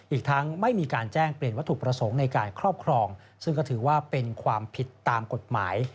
อีกทั้งไม่มีการแจ้งเปลี่ยนวัตถุประสงค์ในการครอบครองซึ่งก็ถือว่าเป็นความผิดตามกฎหมาย